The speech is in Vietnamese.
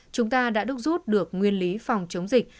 chúng ta đã đúc rút được nguyên lý phòng chống dịch